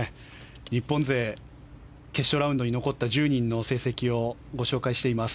日本勢、決勝ラウンドに残った１０人の成績をご紹介しています。